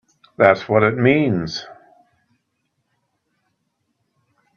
That's what it means!